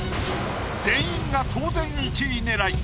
全員が当然１位狙い。